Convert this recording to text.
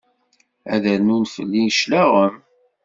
Ad rnun fell-i cclaɣem?